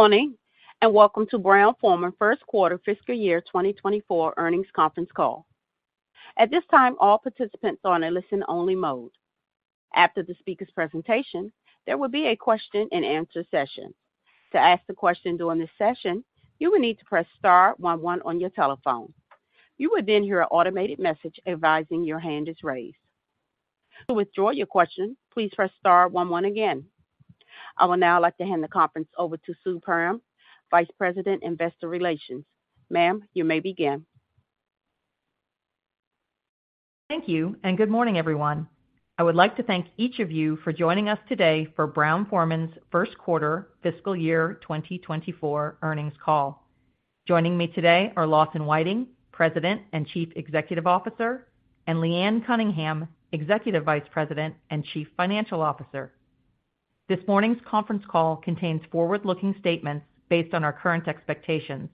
Good morning, and welcome to Brown-Forman First Quarter Fiscal Year 2024 Earnings Conference Call. At this time, all participants are in a listen-only mode. After the speaker's presentation, there will be a question-and-answer session. To ask a question during this session, you will need to press star one one on your telephone. You will then hear an automated message advising your hand is raised. To withdraw your question, please press star one one again. I will now like to hand the conference over to Sue Perram, Vice President, Investor Relations. Ma'am, you may begin. Thank you, and good morning, everyone. I would like to thank each of you for joining us today for Brown-Forman's First Quarter Fiscal Year 2024 Earnings Call. Joining me today are Lawson Whiting, President and Chief Executive Officer, and Leanne Cunningham, Executive Vice President and Chief Financial Officer. This morning's conference call contains forward-looking statements based on our current expectations.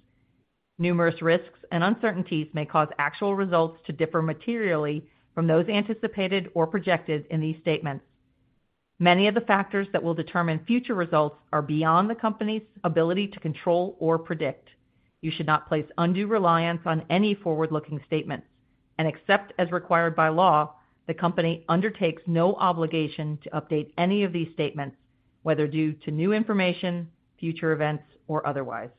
Numerous risks and uncertainties may cause actual results to differ materially from those anticipated or projected in these statements. Many of the factors that will determine future results are beyond the company's ability to control or predict. You should not place undue reliance on any forward-looking statements, and except as required by law, the company undertakes no obligation to update any of these statements, whether due to new information, future events, or otherwise.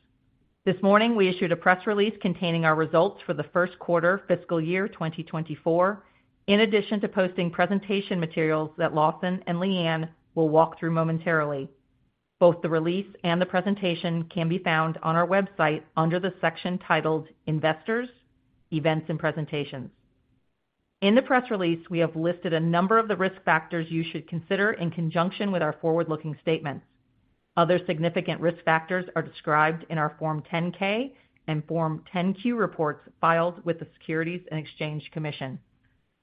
This morning, we issued a press release containing our results for the first quarter fiscal year 2024, in addition to posting presentation materials that Lawson and Leanne will walk through momentarily. Both the release and the presentation can be found on our website under the section titled Investors, Events and Presentations. In the press release, we have listed a number of the risk factors you should consider in conjunction with our forward-looking statements. Other significant risk factors are described in our Form 10-K and Form 10-Q reports filed with the Securities and Exchange Commission.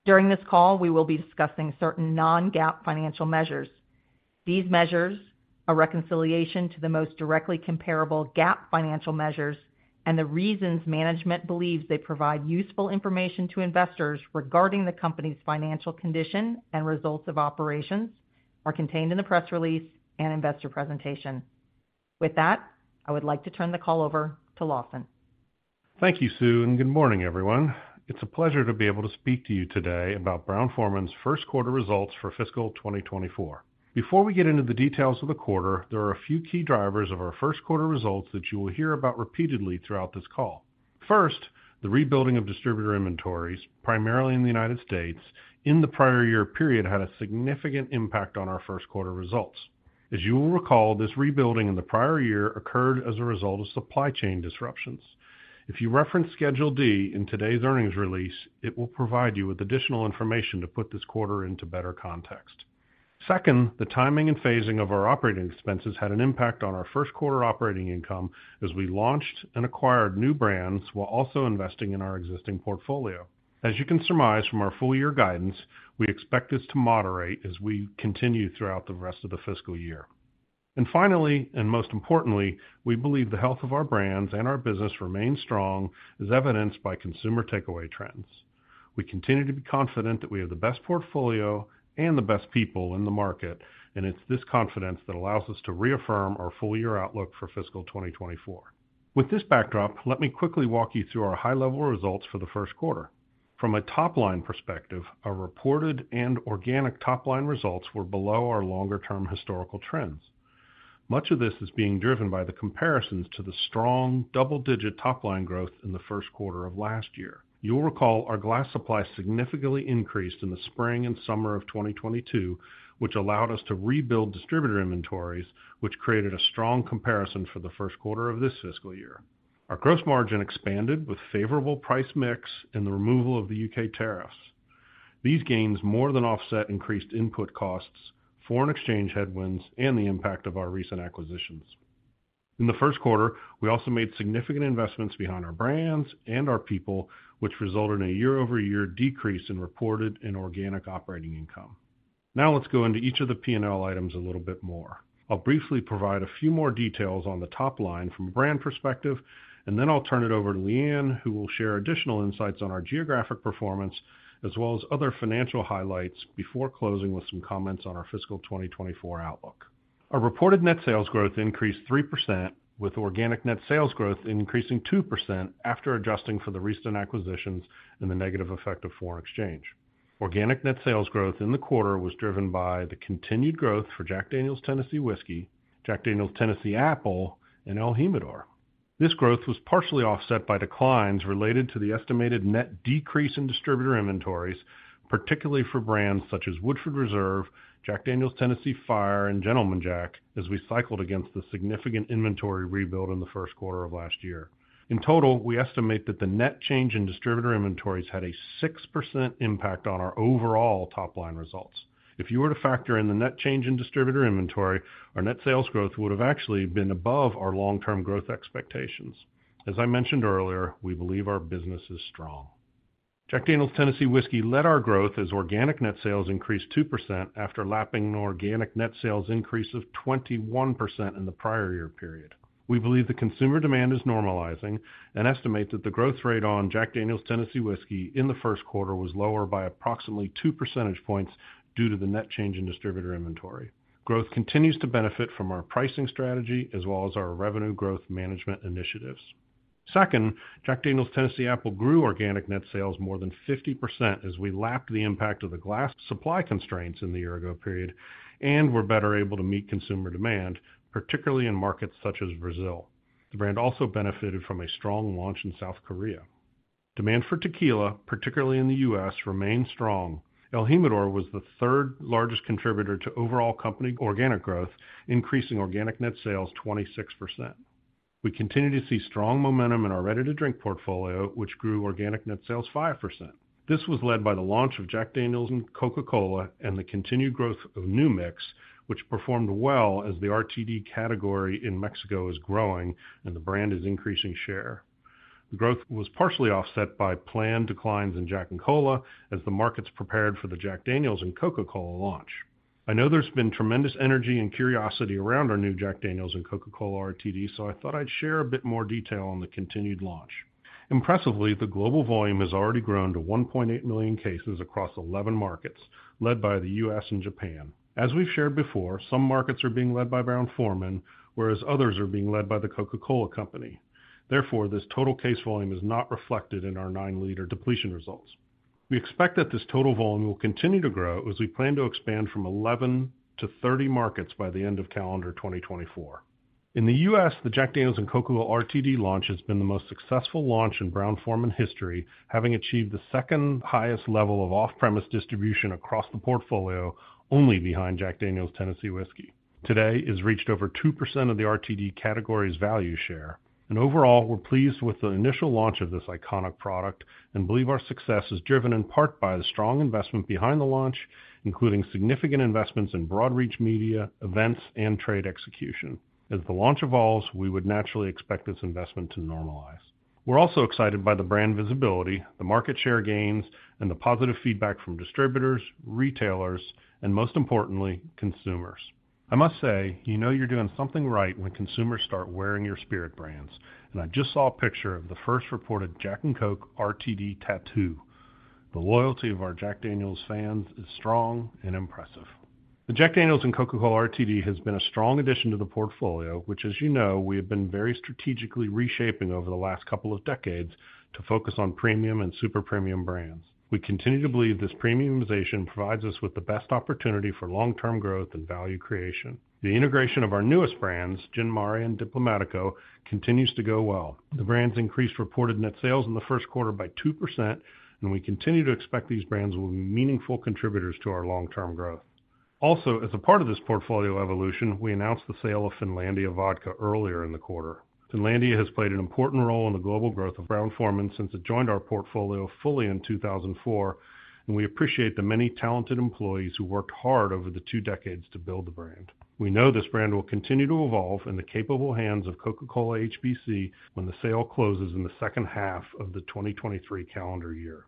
During this call, we will be discussing certain non-GAAP financial measures. These measures, a reconciliation to the most directly comparable GAAP financial measures, and the reasons management believes they provide useful information to investors regarding the company's financial condition and results of operations, are contained in the press release and investor presentation. With that, I would like to turn the call over to Lawson. Thank you, Sue, and good morning, everyone. It's a pleasure to be able to speak to you today about Brown-Forman's first quarter results for fiscal 2024. Before we get into the details of the quarter, there are a few key drivers of our first quarter results that you will hear about repeatedly throughout this call. First, the rebuilding of distributor inventories, primarily in the United States, in the prior year period, had a significant impact on our first quarter results. As you will recall, this rebuilding in the prior year occurred as a result of supply chain disruptions. If you reference Schedule D in today's earnings release, it will provide you with additional information to put this quarter into better context. Second, the timing and phasing of our operating expenses had an impact on our first quarter operating income as we launched and acquired new brands while also investing in our existing portfolio. As you can surmise from our full year guidance, we expect this to moderate as we continue throughout the rest of the fiscal year. And finally, and most importantly, we believe the health of our brands and our business remains strong, as evidenced by consumer takeaway trends. We continue to be confident that we have the best portfolio and the best people in the market, and it's this confidence that allows us to reaffirm our full-year outlook for fiscal 2024. With this backdrop, let me quickly walk you through our high-level results for the first quarter. From a top-line perspective, our reported and organic top-line results were below our longer-term historical trends. Much of this is being driven by the comparisons to the strong double-digit top-line growth in the first quarter of last year. You'll recall our glass supply significantly increased in the spring and summer of 2022, which allowed us to rebuild distributor inventories, which created a strong comparison for the first quarter of this fiscal year. Our gross margin expanded with favorable price mix and the removal of the U.K. tariffs. These gains more than offset increased input costs, foreign exchange headwinds, and the impact of our recent acquisitions. In the first quarter, we also made significant investments behind our brands and our people, which resulted in a year-over-year decrease in reported and organic operating income. Now, let's go into each of the P&L items a little bit more. I'll briefly provide a few more details on the top line from a brand perspective, and then I'll turn it over to Leanne, who will share additional insights on our geographic performance, as well as other financial highlights before closing with some comments on our fiscal 2024 outlook. Our reported net sales growth increased 3%, with organic net sales growth increasing 2% after adjusting for the recent acquisitions and the negative effect of foreign exchange. Organic net sales growth in the quarter was driven by the continued growth for Jack Daniel's Tennessee Whiskey, Jack Daniel's Tennessee Apple, and el Jimador. This growth was partially offset by declines related to the estimated net decrease in distributor inventories, particularly for brands such as Woodford Reserve, Jack Daniel's Tennessee Fire, and Gentleman Jack, as we cycled against the significant inventory rebuild in the first quarter of last year. In total, we estimate that the net change in distributor inventories had a 6% impact on our overall top-line results. If you were to factor in the net change in distributor inventory, our net sales growth would have actually been above our long-term growth expectations. As I mentioned earlier, we believe our business is strong. Jack Daniel's Tennessee Whiskey led our growth as organic net sales increased 2% after lapping an organic net sales increase of 21% in the prior year period. We believe the consumer demand is normalizing and estimate that the growth rate on Jack Daniel's Tennessee Whiskey in the first quarter was lower by approximately two percentage points due to the net change in distributor inventory. Growth continues to benefit from our pricing strategy as well as our revenue growth management initiatives. Second, Jack Daniel's Tennessee Apple grew organic net sales more than 50% as we lapped the impact of the glass supply constraints in the year-ago period, and we're better able to meet consumer demand, particularly in markets such as Brazil. The brand also benefited from a strong launch in South Korea. Demand for tequila, particularly in the U.S., remained strong. el Jimador was the third largest contributor to overall company organic growth, increasing organic net sales 26%. We continue to see strong momentum in our ready-to-drink portfolio, which grew organic net sales 5%. This was led by the launch of Jack Daniel's and Coca-Cola, and the continued growth of New Mix, which performed well as the RTD category in Mexico is growing and the brand is increasing share. The growth was partially offset by planned declines in Jack and Cola as the markets prepared for the Jack Daniel's and Coca-Cola launch. I know there's been tremendous energy and curiosity around our new Jack Daniel's and Coca-Cola RTD, so I thought I'd share a bit more detail on the continued launch. Impressively, the global volume has already grown to 1.8 million cases across 11 markets, led by the U.S. and Japan. As we've shared before, some markets are being led by Brown-Forman, whereas others are being led by The Coca-Cola Company. Therefore, this total case volume is not reflected in our nine-liter depletion results. We expect that this total volume will continue to grow as we plan to expand from 11 to 30 markets by the end of calendar 2024. In the U.S., the Jack Daniel's and Coca-Cola RTD launch has been the most successful launch in Brown-Forman history, having achieved the second-highest level of off-premise distribution across the portfolio, only behind Jack Daniel's Tennessee Whiskey. Today, it's reached over 2% of the RTD category's value share, and overall, we're pleased with the initial launch of this iconic product and believe our success is driven in part by the strong investment behind the launch, including significant investments in broad reach media, events, and trade execution. As the launch evolves, we would naturally expect this investment to normalize. We're also excited by the brand visibility, the market share gains, and the positive feedback from distributors, retailers, and most importantly, consumers. I must say, you know you're doing something right when consumers start wearing your spirit brands, and I just saw a picture of the first reported Jack and Coke RTD tattoo. The loyalty of our Jack Daniel's fans is strong and impressive. The Jack Daniel's and Coca-Cola RTD has been a strong addition to the portfolio, which, as you know, we have been very strategically reshaping over the last couple of decades to focus on premium and super premium brands. We continue to believe this premiumization provides us with the best opportunity for long-term growth and value creation. The integration of our newest brands, Gin Mare and Diplomático, continues to go well. The brands increased reported net sales in the first quarter by 2%, and we continue to expect these brands will be meaningful contributors to our long-term growth. Also, as a part of this portfolio evolution, we announced the sale of Finlandia Vodka earlier in the quarter. Finlandia has played an important role in the global growth of Brown-Forman since it joined our portfolio fully in 2004, and we appreciate the many talented employees who worked hard over the two decades to build the brand. We know this brand will continue to evolve in the capable hands of Coca-Cola HBC when the sale closes in the second half of the 2023 calendar year.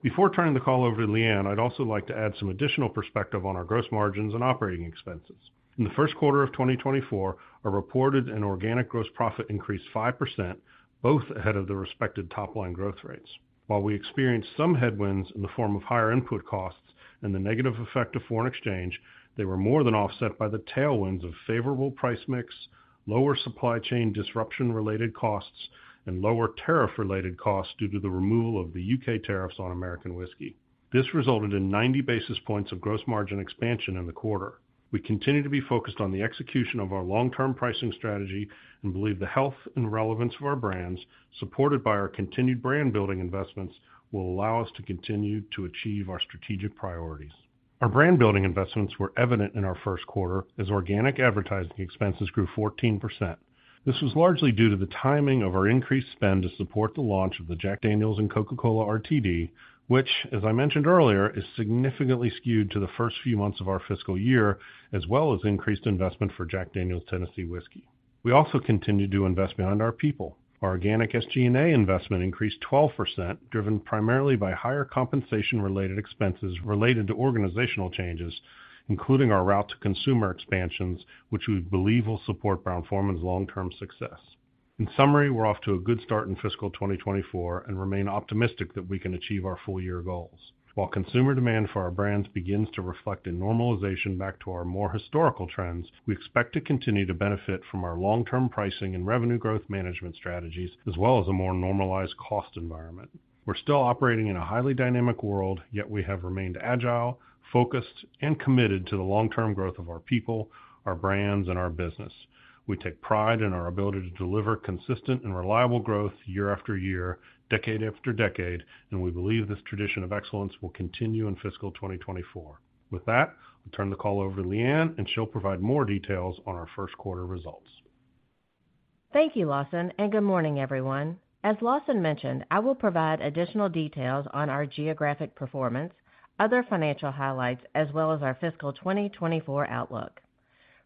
Before turning the call over to Leanne, I'd also like to add some additional perspective on our gross margins and operating expenses. In the first quarter of 2024, our reported and organic gross profit increased 5%, both ahead of the respective top-line growth rates. While we experienced some headwinds in the form of higher input costs and the negative effect of foreign exchange, they were more than offset by the tailwinds of favorable price mix, lower supply chain disruption-related costs, and lower tariff-related costs due to the removal of the U.K. tariffs on American whiskey. This resulted in 90 basis points of gross margin expansion in the quarter. We continue to be focused on the execution of our long-term pricing strategy and believe the health and relevance of our brands, supported by our continued brand-building investments, will allow us to continue to achieve our strategic priorities. Our brand-building investments were evident in our first quarter as organic advertising expenses grew 14%. This was largely due to the timing of our increased spend to support the launch of the Jack Daniel's and Coca-Cola RTD, which, as I mentioned earlier, is significantly skewed to the first few months of our fiscal year, as well as increased investment for Jack Daniel's Tennessee Whiskey. We also continue to invest behind our people. Our organic SG&A investment increased 12%, driven primarily by higher compensation-related expenses related to organizational changes, including our route to consumer expansions, which we believe will support Brown-Forman's long-term success. In summary, we're off to a good start in fiscal 2024 and remain optimistic that we can achieve our full-year goals. While consumer demand for our brands begins to reflect a normalization back to our more historical trends, we expect to continue to benefit from our long-term pricing and revenue growth management strategies, as well as a more normalized cost environment. We're still operating in a highly dynamic world, yet we have remained agile, focused, and committed to the long-term growth of our people, our brands, and our business. We take pride in our ability to deliver consistent and reliable growth year after year, decade after decade, and we believe this tradition of excellence will continue in fiscal 2024. With that, I'll turn the call over to Leanne, and she'll provide more details on our first quarter results. Thank you, Lawson, and good morning, everyone. As Lawson mentioned, I will provide additional details on our geographic performance, other financial highlights, as well as our fiscal 2024 outlook.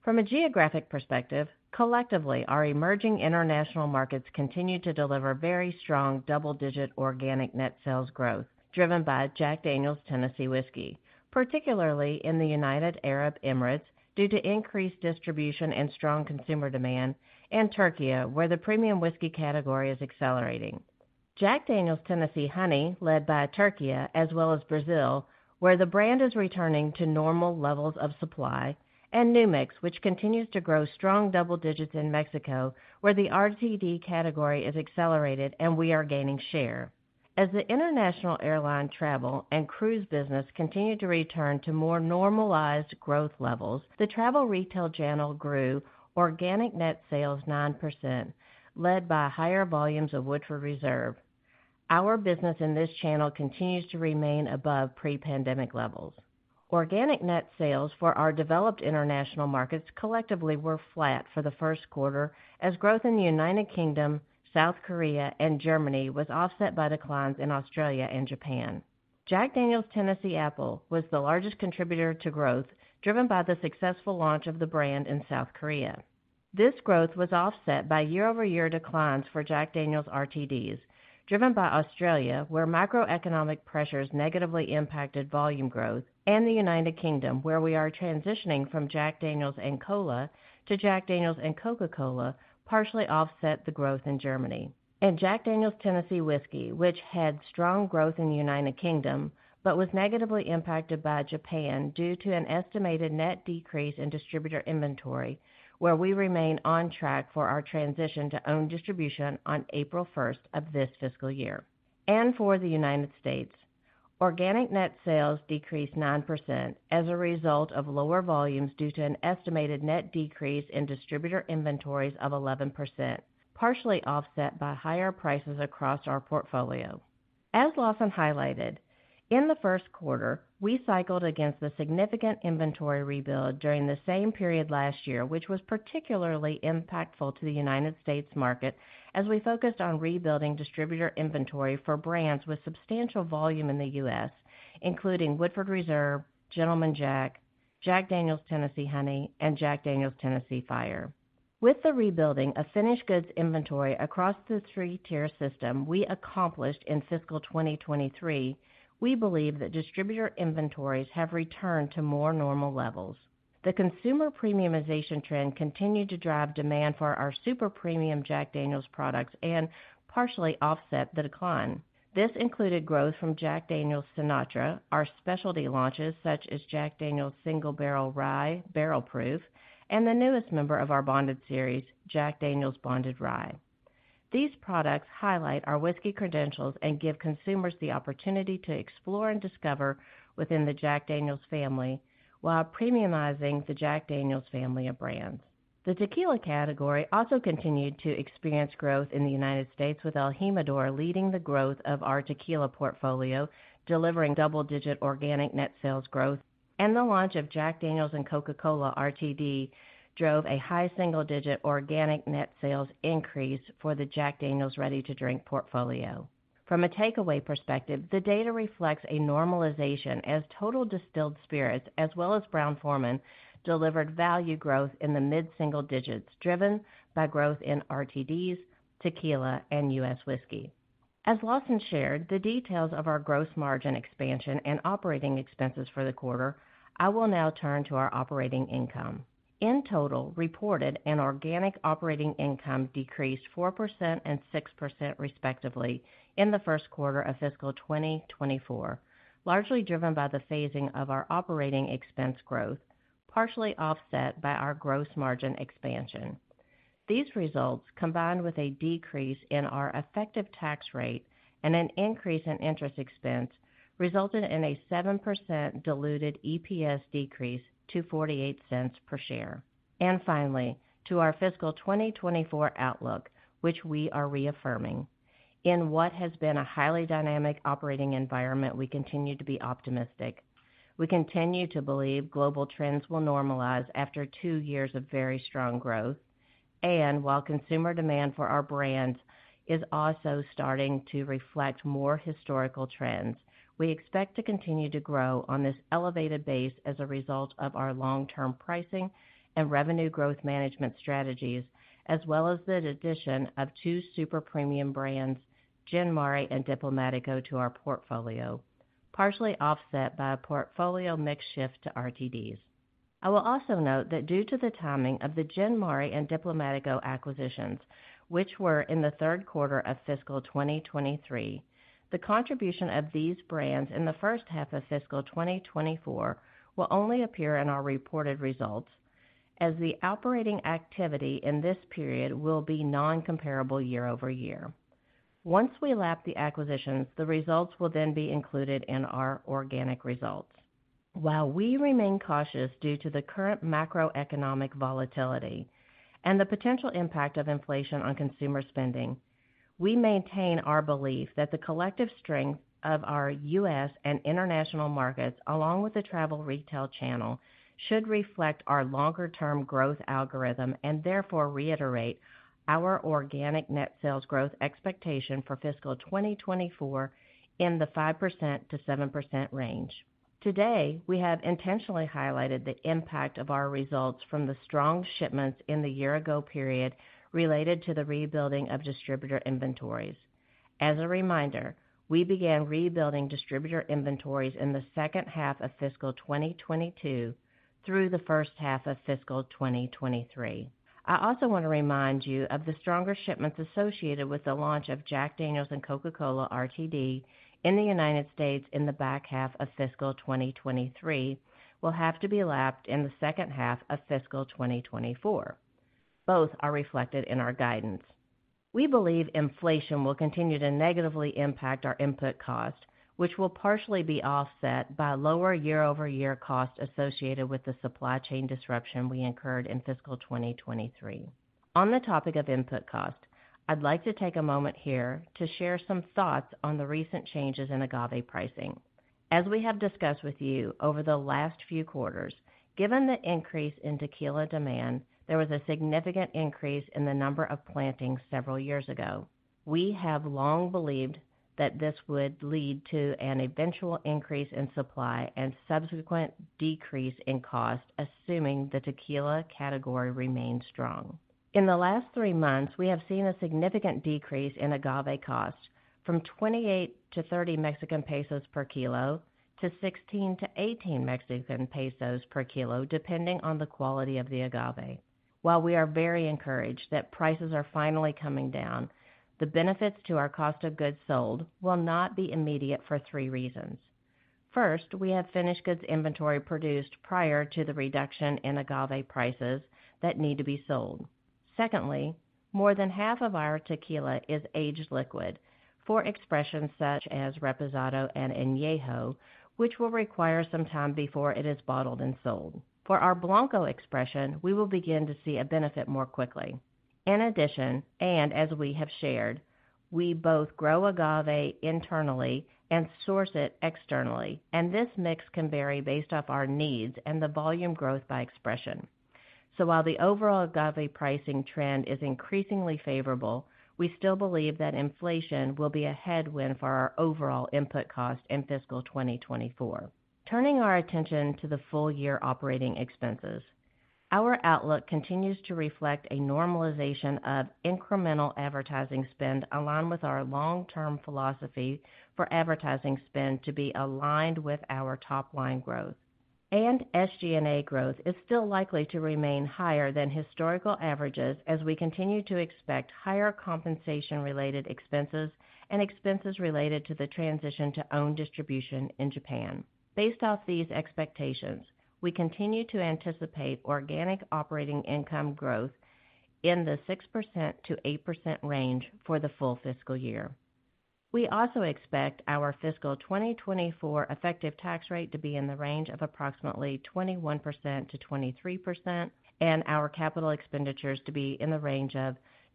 From a geographic perspective, collectively, our emerging international markets continue to deliver very strong double-digit organic net sales growth, driven by Jack Daniel's Tennessee Whiskey, particularly in the United Arab Emirates, due to increased distribution and strong consumer demand, and Türkiye, where the premium whiskey category is accelerating. Jack Daniel's Tennessee Honey, led by Türkiye, as well as Brazil, where the brand is returning to normal levels of supply, and New Mix, which continues to grow strong double digits in Mexico, where the RTD category is accelerated, and we are gaining share. As the international airline travel and cruise business continue to return to more normalized growth levels, the travel retail channel grew organic net sales 9%, led by higher volumes of Woodford Reserve. Our business in this channel continues to remain above pre-pandemic levels. Organic net sales for our developed international markets collectively were flat for the first quarter, as growth in the United Kingdom, South Korea, and Germany was offset by declines in Australia and Japan. Jack Daniel's Tennessee Apple was the largest contributor to growth, driven by the successful launch of the brand in South Korea. This growth was offset by year-over-year declines for Jack Daniel's RTDs, driven by Australia, where macroeconomic pressures negatively impacted volume growth, and the United Kingdom, where we are transitioning from Jack Daniel's and Cola to Jack Daniel's and Coca-Cola, partially offset the growth in Germany. Jack Daniel's Tennessee Whiskey, which had strong growth in the United Kingdom, but was negatively impacted by Japan due to an estimated net decrease in distributor inventory, where we remain on track for our transition to own distribution on April 1st of this fiscal year. For the United States, organic net sales decreased 9% as a result of lower volumes due to an estimated net decrease in distributor inventories of 11%, partially offset by higher prices across our portfolio. As Lawson highlighted, in the first quarter, we cycled against the significant inventory rebuild during the same period last year, which was particularly impactful to the United States market as we focused on rebuilding distributor inventory for brands with substantial volume in the U.S., including Woodford Reserve, Gentleman Jack, Jack Daniel's Tennessee Honey, and Jack Daniel's Tennessee Fire. With the rebuilding of finished goods inventory across the three-tier system we accomplished in fiscal 2023, we believe that distributor inventories have returned to more normal levels. The consumer premiumization trend continued to drive demand for our super premium Jack Daniel's products and partially offset the decline. This included growth from Jack Daniel's Sinatra, our specialty launches, such as Jack Daniel's Single Barrel Rye, Barrel Proof, and the newest member of our Bonded series, Jack Daniel's Bonded Rye. These products highlight our whiskey credentials and give consumers the opportunity to explore and discover within the Jack Daniel's family while premiumizing the Jack Daniel's family of brands. The tequila category also continued to experience growth in the United States, with el Jimador leading the growth of our tequila portfolio, delivering double-digit organic net sales growth. The launch of Jack Daniel's and Coca-Cola RTD drove a high single-digit organic net sales increase for the Jack Daniel's ready-to-drink portfolio. From a takeaway perspective, the data reflects a normalization as total distilled spirits, as well as Brown-Forman, delivered value growth in the mid-single digits, driven by growth in RTDs, tequila, and U.S. whiskey. As Lawson shared the details of our gross margin expansion and operating expenses for the quarter, I will now turn to our operating income. In total, reported and organic operating income decreased 4% and 6%, respectively, in the first quarter of fiscal 2024, largely driven by the phasing of our operating expense growth, partially offset by our gross margin expansion. These results, combined with a decrease in our effective tax rate and an increase in interest expense, resulted in a 7% diluted EPS decrease to $0.48 per share. Finally, to our fiscal 2024 outlook, which we are reaffirming. In what has been a highly dynamic operating environment, we continue to be optimistic. We continue to believe global trends will normalize after two years of very strong growth, and while consumer demand for our brands is also starting to reflect more historical trends, we expect to continue to grow on this elevated base as a result of our long-term pricing and revenue growth management strategies, as well as the addition of two super premium brands, Gin Mare and Diplomático, to our portfolio, partially offset by a portfolio mix shift to RTDs. I will also note that due to the timing of the Gin Mare and Diplomático acquisitions, which were in the third quarter of fiscal 2023, the contribution of these brands in the first half of fiscal 2024 will only appear in our reported results, as the operating activity in this period will be non-comparable year-over-year. Once we lap the acquisitions, the results will then be included in our organic results. While we remain cautious due to the current macroeconomic volatility and the potential impact of inflation on consumer spending, we maintain our belief that the collective strength of our U.S. and international markets, along with the travel retail channel, should reflect our longer-term growth algorithm, and therefore reiterate our organic net sales growth expectation for fiscal 2024 in the 5%-7% range. Today, we have intentionally highlighted the impact of our results from the strong shipments in the year ago period related to the rebuilding of distributor inventories. As a reminder, we began rebuilding distributor inventories in the second half of fiscal 2022 through the first half of fiscal 2023. I also want to remind you of the stronger shipments associated with the launch of Jack Daniel's and Coca-Cola RTD in the United States in the back half of fiscal 2023, will have to be lapped in the second half of fiscal 2024. Both are reflected in our guidance. We believe inflation will continue to negatively impact our input costs, which will partially be offset by lower year-over-year costs associated with the supply chain disruption we incurred in fiscal 2023. On the topic of input costs, I'd like to take a moment here to share some thoughts on the recent changes in agave pricing. As we have discussed with you over the last few quarters, given the increase in tequila demand, there was a significant increase in the number of plantings several years ago. We have long believed that this would lead to an eventual increase in supply and subsequent decrease in cost, assuming the tequila category remains strong. In the last three months, we have seen a significant decrease in agave costs, from 28-30 Mexican pesos per kilo to 16-18 Mexican pesos per kilo, depending on the quality of the agave. While we are very encouraged that prices are finally coming down, the benefits to our cost of goods sold will not be immediate for three reasons. First, we have finished goods inventory produced prior to the reduction in agave prices that need to be sold. Secondly, more than half of our tequila is aged liquid for expressions such as reposado and añejo, which will require some time before it is bottled and sold. For our blanco expression, we will begin to see a benefit more quickly. In addition, and as we have shared, we both grow agave internally and source it externally, and this mix can vary based off our needs and the volume growth by expression. So while the overall agave pricing trend is increasingly favorable, we still believe that inflation will be a headwind for our overall input cost in fiscal 2024. Turning our attention to the full year operating expenses. Our outlook continues to reflect a normalization of incremental advertising spend, along with our long-term philosophy for advertising spend to be aligned with our top line growth. SG&A growth is still likely to remain higher than historical averages as we continue to expect higher compensation related expenses and expenses related to the transition to own distribution in Japan. Based off these expectations, we continue to anticipate organic operating income growth in the 6%-8% range for the full fiscal year. We also expect our fiscal 2024 effective tax rate to be in the range of approximately 21%-23%, and our capital expenditures to be in the range of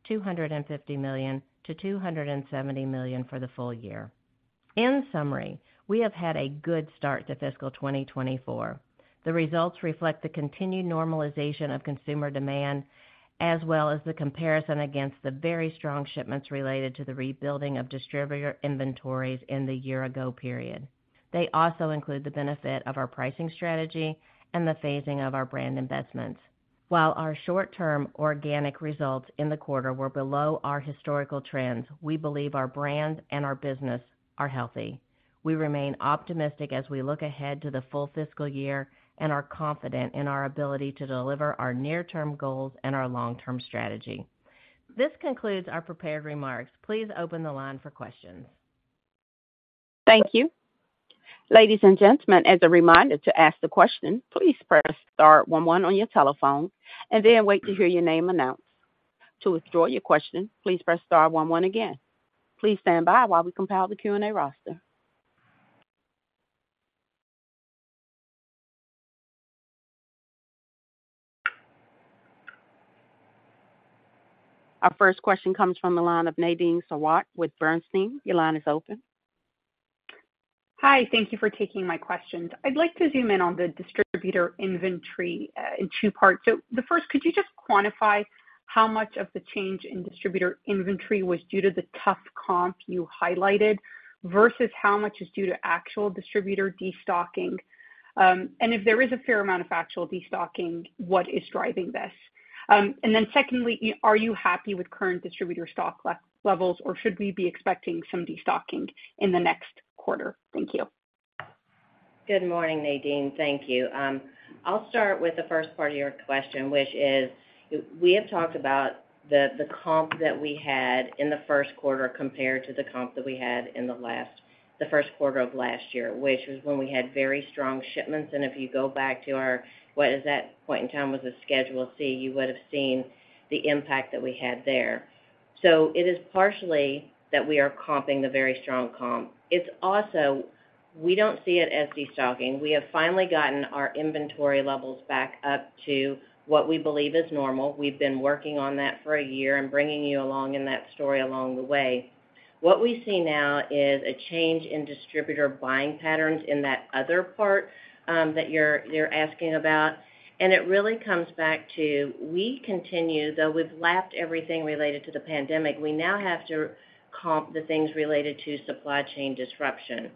$250 million-$270 million for the full year. In summary, we have had a good start to fiscal 2024. The results reflect the continued normalization of consumer demand, as well as the comparison against the very strong shipments related to the rebuilding of distributor inventories in the year ago period. They also include the benefit of our pricing strategy and the phasing of our brand investments. While our short-term organic results in the quarter were below our historical trends, we believe our brands and our business are healthy. We remain optimistic as we look ahead to the full fiscal year and are confident in our ability to deliver our near-term goals and our long-term strategy. This concludes our prepared remarks. Please open the line for questions. Thank you. Ladies and gentlemen, as a reminder to ask the question, please press star one one on your telephone and then wait to hear your name announced. To withdraw your question, please press star one one again. Please stand by while we compile the Q&A roster. Our first question comes from the line of Nadine Sarwat with Bernstein. Your line is open. Hi, thank you for taking my questions. I'd like to zoom in on the distributor inventory, in two parts. So the first, could you just quantify how much of the change in distributor inventory was due to the tough comp you highlighted, versus how much is due to actual distributor destocking? And if there is a fair amount of actual destocking, what is driving this? And then secondly, are you happy with current distributor stock levels, or should we be expecting some destocking in the next quarter? Thank you. Good morning, Nadine. Thank you. I'll start with the first part of your question, which is, we have talked about the, the comp that we had in the first quarter compared to the comp that we had in the last, the first quarter of last year, which was when we had very strong shipments. And if you go back to our what is that point in time was a Schedule C, you would have seen the impact that we had there. So it is partially that we are comping the very strong comp. It's also, we don't see it as destocking. We have finally gotten our inventory levels back up to what we believe is normal. We've been working on that for a year and bringing you along in that story along the way. What we see now is a change in distributor buying patterns in that other part that you're asking about. It really comes back to, we continue, though we've lapped everything related to the pandemic, we now have to comp the things related to supply chain disruption.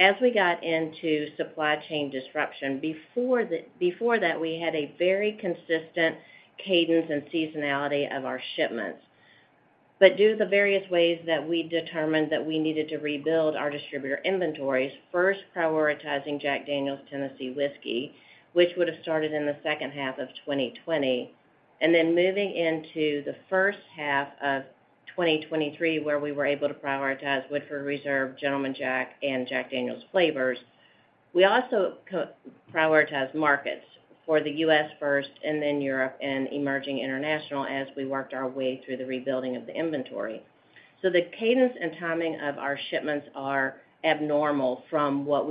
As we got into supply chain disruption, before that, we had a very consistent cadence and seasonality of our shipments. But due to the various ways that we determined that we needed to rebuild our distributor inventories, first prioritizing Jack Daniel's Tennessee Whiskey, which would have started in the second half of 2020, and then moving into the first half of 2023, where we were able to prioritize Woodford Reserve, Gentleman Jack, and Jack Daniel's flavors. We also prioritized markets for the U.S. first, and then Europe and emerging international as we worked our way through the rebuilding of the inventory. So the cadence and timing of our shipments are abnormal from what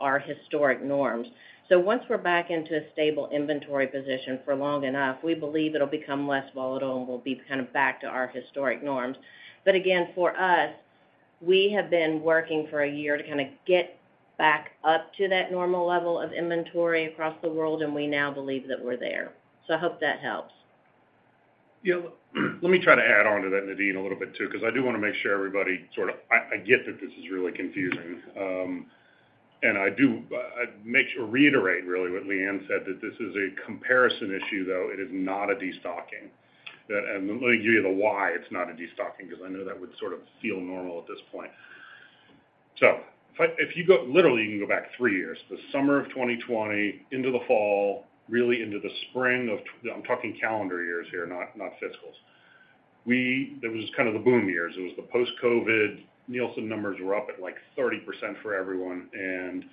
our historic norms. So once we're back into a stable inventory position for long enough, we believe it'll become less volatile and we'll be kind of back to our historic norms. But again, for us, we have been working for a year to kind of get back up to that normal level of inventory across the world, and we now believe that we're there. So I hope that helps. Yeah, let me try to add on to that, Nadine, a little bit, too, because I do want to make sure everybody sort of... I get that this is really confusing. And I do make sure to reiterate, really, what Leanne said, that this is a comparison issue, though it is not a destocking. That, and let me give you the why it's not a destocking, because I know that would sort of feel normal at this point. So if you go literally, you can go back three years, the summer of 2020 into the fall, really into the spring of, I'm talking calendar years here, not fiscals. It was kind of the boom years. It was the post-COVID. Nielsen numbers were up at, like, 30% for everyone, and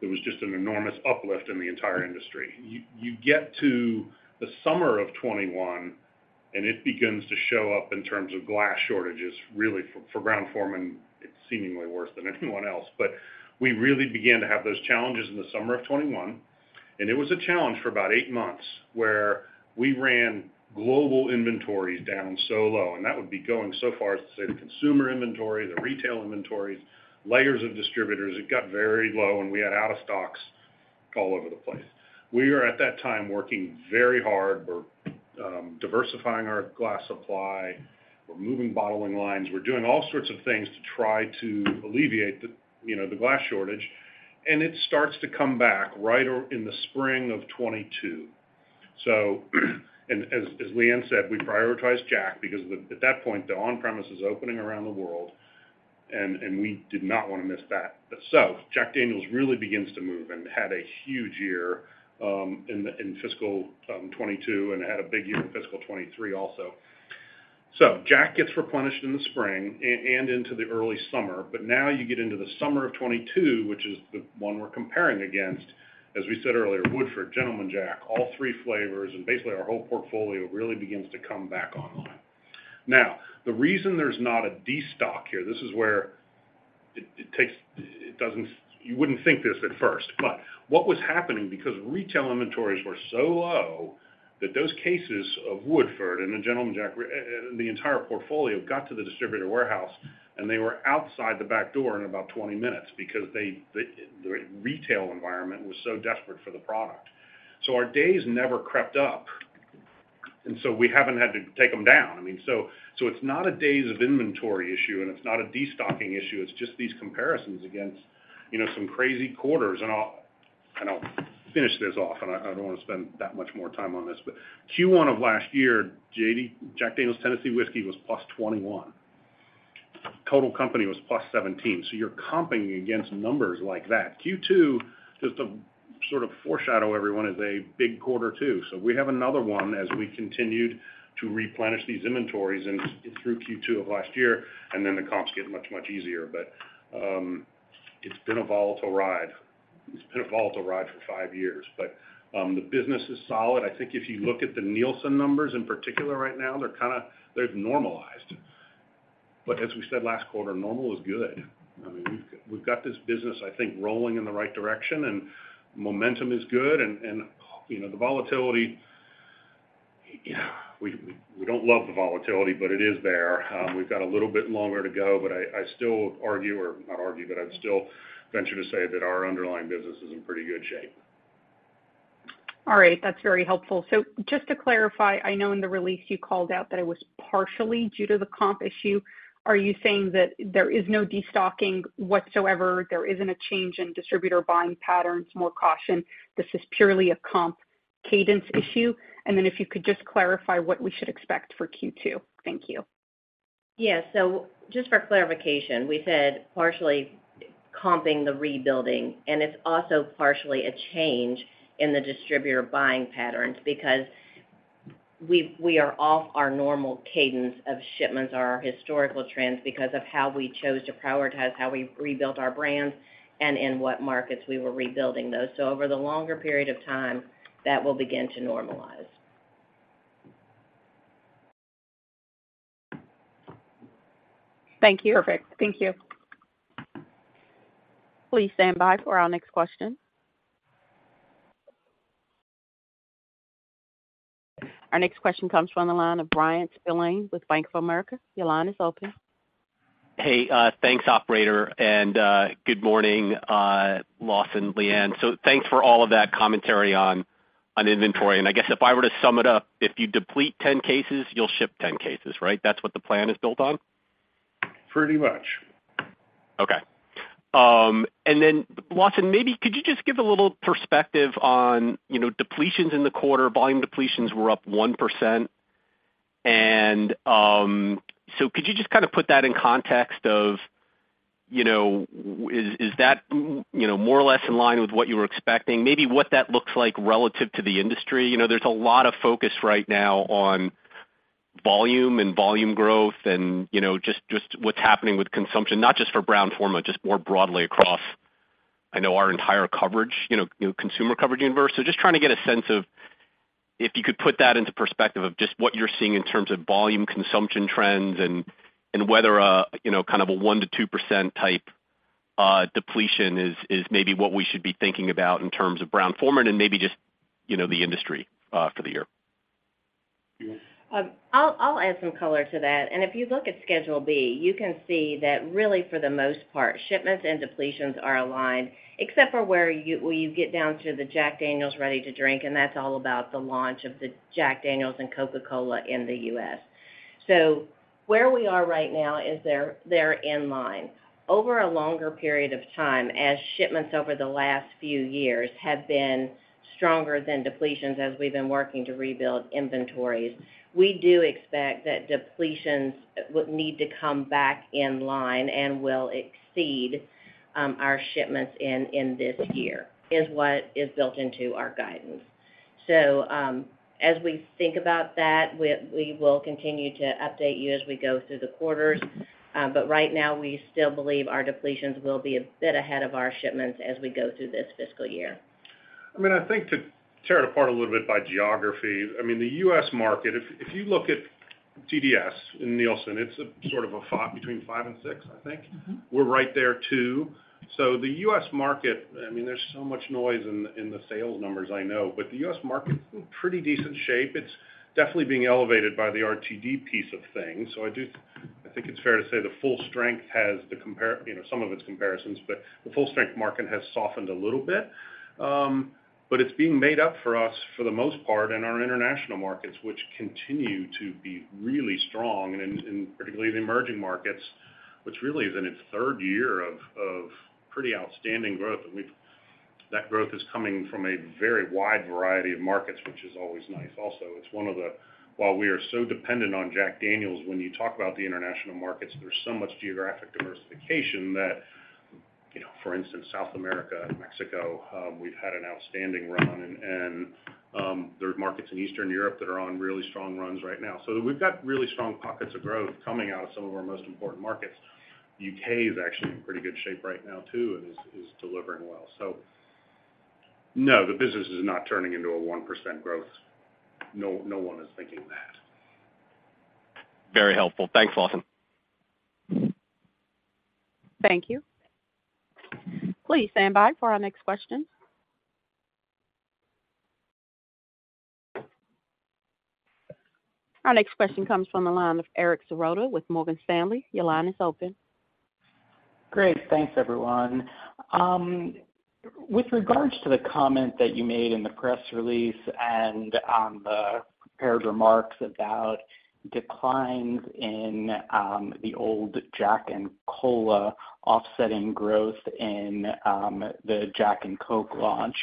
it was just an enormous uplift in the entire industry. You get to the summer of 2021, and it begins to show up in terms of glass shortages, really, for Brown-Forman, it's seemingly worse than anyone else. But we really began to have those challenges in the summer of 2021, and it was a challenge for about eight months, where we ran global inventories down so low, and that would be going so far as to say, the consumer inventory, the retail inventories, layers of distributors. It got very low, and we had out-of-stocks all over the place. We were, at that time, working very hard. We're diversifying our glass supply. We're moving bottling lines. We're doing all sorts of things to try to alleviate the, you know, the glass shortage, and it starts to come back right or in the spring of 2022. As Leanne said, we prioritized Jack, because at that point, the on-premise is opening around the world, and we did not want to miss that. So Jack Daniel's really begins to move and had a huge year in fiscal 2022, and had a big year in fiscal 2023 also. So Jack gets replenished in the spring and into the early summer, but now you get into the summer of 2022, which is the one we're comparing against. As we said earlier, Woodford, Gentleman Jack, all three flavors, and basically, our whole portfolio really begins to come back online. Now, the reason there's not a destock here, this is where it takes—it doesn't—you wouldn't think this at first, but what was happening, because retail inventories were so low, that those cases of Woodford and the Gentleman Jack, the entire portfolio, got to the distributor warehouse, and they were outside the back door in about 20 minutes because they, the retail environment was so desperate for the product. So our days never crept up, and so we haven't had to take them down. I mean, so it's not a days of inventory issue, and it's not a destocking issue. It's just these comparisons against, you know, some crazy quarters. And I'll finish this off, and I don't want to spend that much more time on this, but Q1 of last year, JD, Jack Daniel's Tennessee Whiskey was +21. Total company was +17%. So you're comping against numbers like that. Q2, just to sort of foreshadow everyone, is a big quarter, too. So we have another one as we continued to replenish these inventories and through Q2 of last year, and then the comps get much, much easier. But, it's been a volatile ride. It's been a volatile ride for five years, but, the business is solid. I think if you look at the Nielsen numbers in particular, right now, they're kind of, they've normalized. But as we said last quarter, normal is good. I mean, we've, we've got this business, I think, rolling in the right direction, and momentum is good, and, and, you know, the volatility, yeah, we, we don't love the volatility, but it is there. We've got a little bit longer to go, but I still argue, or not argue, but I'd still venture to say that our underlying business is in pretty good shape. All right. That's very helpful. So just to clarify, I know in the release you called out that it was partially due to the comp issue. Are you saying that there is no destocking whatsoever? There isn't a change in distributor buying patterns, more caution. This is purely a comp cadence issue. And then if you could just clarify what we should expect for Q2. Thank you. Yes. So just for clarification, we said partially comping the rebuilding, and it's also partially a change in the distributor buying patterns because we are off our normal cadence of shipments or our historical trends because of how we chose to prioritize, how we rebuilt our brands, and in what markets we were rebuilding those. So over the longer period of time, that will begin to normalize. Thank you. Perfect. Thank you. Please stand by for our next question. Our next question comes from the line of Bryan Spillane with Bank of America. Your line is open. Hey, thanks, operator. And, good morning, Lawson, Leanne. So thanks for all of that commentary on inventory. And I guess if I were to sum it up, if you deplete 10 cases, you'll ship 10 cases, right? That's what the plan is built on? Pretty much. Okay. And then Lawson, maybe could you just give a little perspective on, you know, depletions in the quarter? Volume depletions were up 1%. And so could you just kind of put that in context of, you know, is, is that, you know, more or less in line with what you were expecting? Maybe what that looks like relative to the industry. You know, there's a lot of focus right now on volume and volume growth and, you know, just, just what's happening with consumption, not just for Brown-Forman, just more broadly across, I know, our entire coverage, you know, consumer coverage universe. Just trying to get a sense of if you could put that into perspective of just what you're seeing in terms of volume, consumption trends, and whether a, you know, kind of a 1%-2% type depletion is maybe what we should be thinking about in terms of Brown-Forman and maybe just, you know, the industry for the year. Yes. I'll add some color to that. And if you look at Schedule B, you can see that really, for the most part, shipments and depletions are aligned, except for where you get down to the Jack Daniel's Ready to Drink, and that's all about the launch of the Jack Daniel's and Coca-Cola in the U.S. So where we are right now is they're in line. Over a longer period of time, as shipments over the last few years have been stronger than depletions as we've been working to rebuild inventories, we do expect that depletions would need to come back in line and will exceed our shipments in this year, is what is built into our guidance. So, as we think about that, we will continue to update you as we go through the quarters. But right now, we still believe our depletions will be a bit ahead of our shipments as we go through this fiscal year. I mean, I think to tear it apart a little bit by geography, I mean, the U.S. market, if you look at TDS in Nielsen, it's a sort of a five—between five and six, I think. Mm-hmm. We're right there, too. So the U.S. market, I mean, there's so much noise in the sales numbers, I know, but the U.S. market's in pretty decent shape. It's definitely being elevated by the RTD piece of things. So I do, I think it's fair to say the full strength has the compare, you know, some of its comparisons, but the full-strength market has softened a little bit. But it's being made up for us, for the most part, in our international markets, which continue to be really strong, and in particularly the emerging markets, which really is in its third year of pretty outstanding growth. And we've, that growth is coming from a very wide variety of markets, which is always nice. Also, while we are so dependent on Jack Daniel's, when you talk about the international markets, there's so much geographic diversification that, you know, for instance, South America and Mexico, we've had an outstanding run, and there are markets in Eastern Europe that are on really strong runs right now. So we've got really strong pockets of growth coming out of some of our most important markets. U.K. is actually in pretty good shape right now, too, and is delivering well. So no, the business is not turning into a 1% growth. No, no one is thinking that. Very helpful. Thanks, Lawson. Thank you. Please stand by for our next question. Our next question comes from the line of Eric Serotta with Morgan Stanley. Your line is open. Great. Thanks, everyone. With regards to the comment that you made in the press release and on the prepared remarks about declines in the old Jack and Cola offsetting growth in the Jack and Coke launch,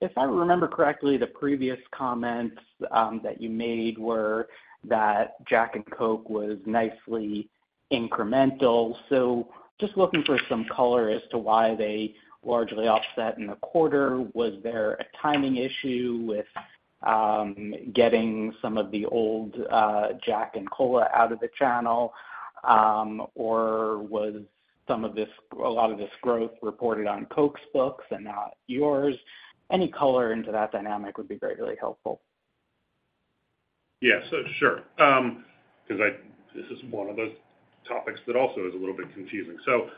if I remember correctly, the previous comments that you made were that Jack and Coke was nicely incremental. So just looking for some color as to why they largely offset in the quarter. Was there a timing issue with getting some of the old Jack and Cola out of the channel? Or was some of this, a lot of this growth reported on Coke's books and not yours? Any color into that dynamic would be greatly helpful. Yeah, so sure. Because this is one of those topics that also is a little bit confusing. So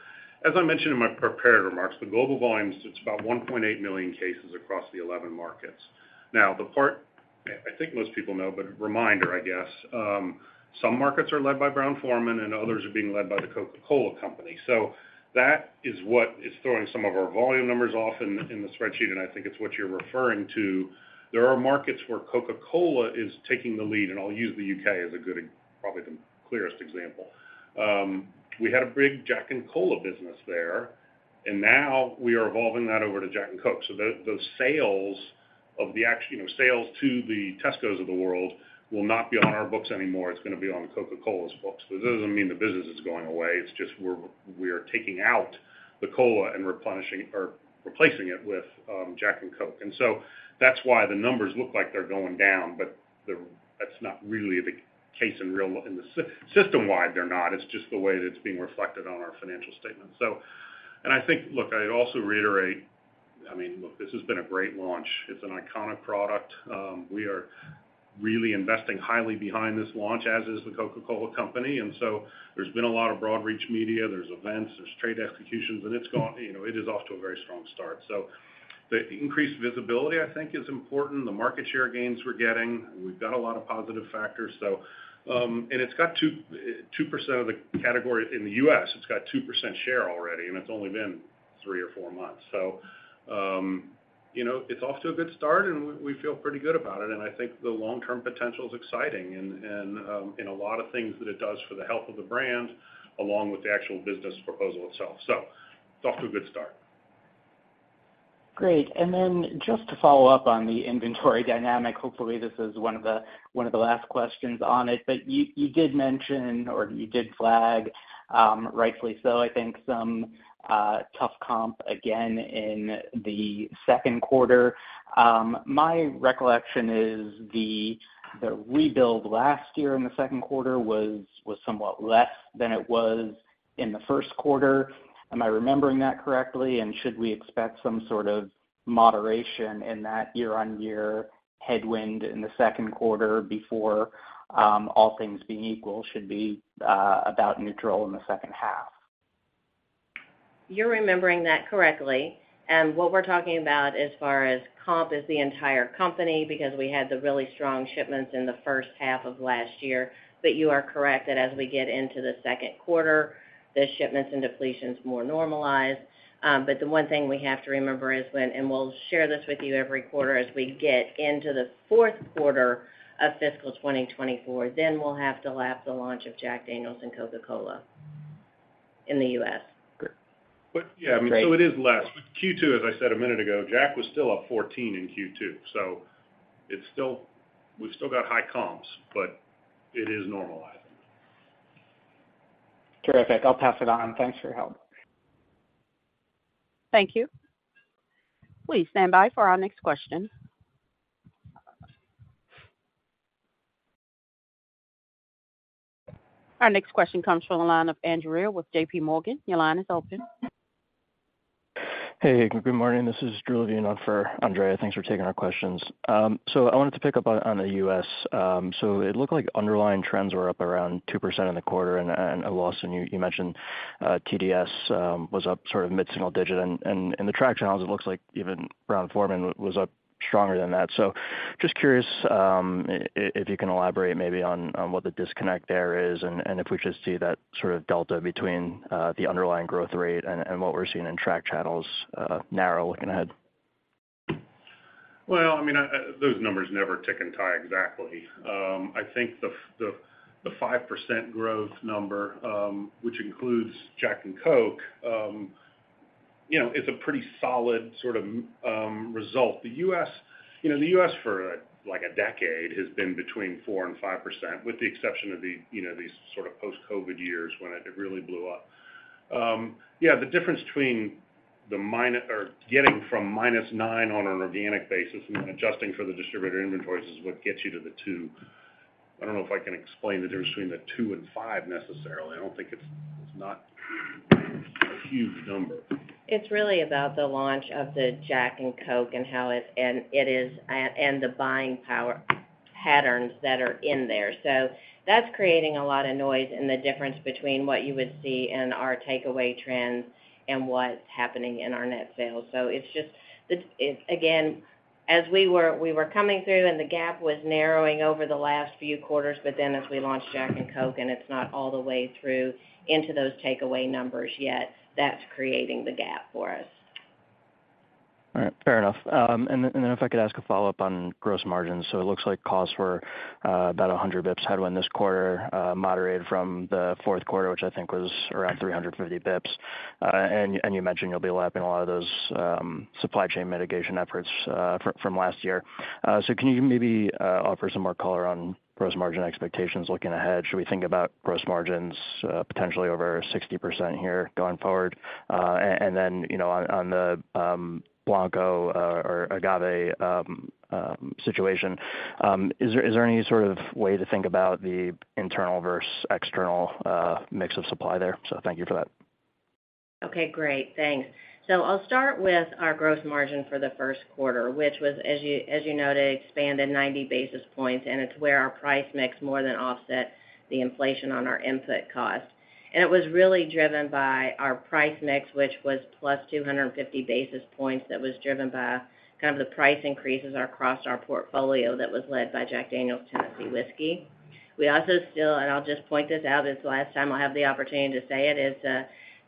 as I mentioned in my prepared remarks, the global volumes, it's about 1.8 million cases across the 11 markets. Now, the part I think most people know, but a reminder, I guess, some markets are led by Brown-Forman, and others are being led by The Coca-Cola Company. So that is what is throwing some of our volume numbers off in the spreadsheet, and I think it's what you're referring to. There are markets where Coca-Cola is taking the lead, and I'll use the U.K. as a good, probably the clearest example. We had a big Jack and Cola business there, and now we are evolving that over to Jack and Coke. So those sales of the actual, you know, sales to the Tescos of the world will not be on our books anymore. It's gonna be on Coca-Cola's books. But it doesn't mean the business is going away. It's just we are taking out the cola and replenishing or replacing it with Jack and Coke. And so that's why the numbers look like they're going down, but that's not really the case in the system-wide, they're not. It's just the way that it's being reflected on our financial statement. So, and I think, look, I'd also reiterate, I mean, look, this has been a great launch. It's an iconic product. We are really investing highly behind this launch, as is The Coca-Cola Company. And so there's been a lot of broad reach media, there's events, there's trade executions, and it's gone, you know, it is off to a very strong start. So the increased visibility, I think, is important. The market share gains we're getting, we've got a lot of positive factors. So, and it's got 2% of the category in the U.S., it's got 2% share already, and it's only been three or four months. So, you know, it's off to a good start, and we feel pretty good about it, and I think the long-term potential is exciting and in a lot of things that it does for the health of the brand, along with the actual business proposal itself. So it's off to a good start. Great. And then just to follow up on the inventory dynamic, hopefully, this is one of the last questions on it, but you did mention or you did flag, rightfully so, I think some tough comp again in the second quarter. My recollection is the rebuild last year in the second quarter was somewhat less than it was in the first quarter. Am I remembering that correctly? And should we expect some sort of moderation in that year-on-year headwind in the second quarter before, all things being equal, should be about neutral in the second half? You're remembering that correctly. What we're talking about as far as comp, is the entire company, because we had the really strong shipments in the first half of last year. But you are correct that as we get into the second quarter, the shipments and depletion is more normalized. But the one thing we have to remember is when, and we'll share this with you every quarter as we get into the fourth quarter of fiscal 2024, then we'll have to lap the launch of Jack Daniel's and Coca-Cola in the U.S. Great. But, yeah, so it is less. Q2, as I said a minute ago, Jack was still up 14 in Q2, so it's still. We've still got high comps, but it is normalizing. Terrific. I'll pass it on. Thanks for your help. Thank you. Please stand by for our next question. Our next question comes from the line of Andrea with JPMorgan. Your line is open. Hey, good morning. This is Drew Levine on for Andrea. Thanks for taking our questions. So I wanted to pick up on, on the U.S. So it looked like underlying trends were up around 2% in the quarter, and, and Lawson, you, you mentioned, TDS, was up sort of mid-single digit. And, and in the track channels, it looks like even Brown-Forman was up stronger than that. So just curious, if you can elaborate maybe on, on what the disconnect there is, and, and if we should see that sort of delta between, the underlying growth rate and, and what we're seeing in track channels, narrow looking ahead? Well, I mean, those numbers never tick and tie exactly. I think the five percent growth number, which includes Jack and Coke, you know, is a pretty solid sort of result. The U.S., you know, the U.S., for like a decade, has been between 4% and 5%, with the exception of the, you know, these sort of post-COVID years when it really blew up. Yeah, the difference between the minus or getting from -9% on an organic basis and then adjusting for the distributor inventories is what gets you to the 2%. I don't know if I can explain the difference between the 2% and 5% necessarily. I don't think it's not a huge number. It's really about the launch of the Jack and Coke and how it is and the buying power patterns that are in there. So that's creating a lot of noise in the difference between what you would see in our takeaway trends and what's happening in our net sales. So it's just it, again, as we were coming through and the gap was narrowing over the last few quarters, but then as we launched Jack and Coke, and it's not all the way through into those takeaway numbers yet, that's creating the gap for us. All right. Fair enough. And then if I could ask a follow-up on gross margins. So it looks like costs were about 100 BPS headwind this quarter, moderated from the fourth quarter, which I think was around 350 BPS. And you mentioned you'll be lapping a lot of those supply chain mitigation efforts from last year. So can you maybe offer some more color on gross margin expectations looking ahead? Should we think about gross margins potentially over 60% here going forward? And then, you know, on the blanco or agave situation, is there any sort of way to think about the internal versus external mix of supply there? So thank you for that. Okay, great. Thanks. So I'll start with our gross margin for the first quarter, which was, as you, as you noted, expanded 90 basis points, and it's where our price mix more than offset the inflation on our input costs. And it was really driven by our price mix, which was +250 basis points. That was driven by kind of the price increases across our portfolio that was led by Jack Daniel's Tennessee Whiskey. We also still, and I'll just point this out, it's the last time I'll have the opportunity to say it, is